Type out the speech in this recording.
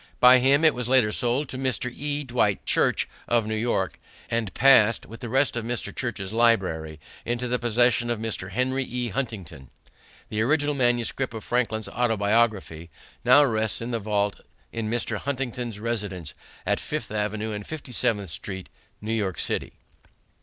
By him it was later sold to Mr. E. Dwight Church of New York, and passed with the rest of Mr. Church's library into the possession of Mr. Henry E. Huntington. The original manuscript of Franklin's Autobiography now rests in the vault in Mr. Huntington's residence at Fifth Avenue and Fifty seventh Street, New York City.